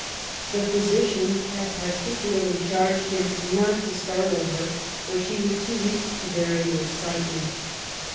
The physician had particularly charged him not to startle her, for she was too weak to bear any excitement.